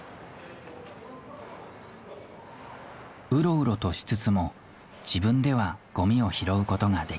うろうろとしつつも自分ではゴミを拾うことができない。